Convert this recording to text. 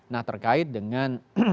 nah terkait dengan